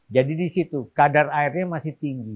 jadi di situ kadar airnya masih tinggi